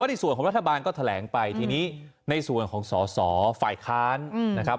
ในส่วนของรัฐบาลก็แถลงไปทีนี้ในส่วนของสอสอฝ่ายค้านนะครับ